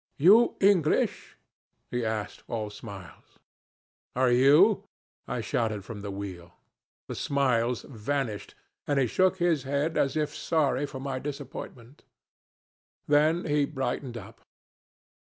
'You English?' he asked, all smiles. 'Are you?' I shouted from the wheel. The smiles vanished, and he shook his head as if sorry for my disappointment. Then he brightened up.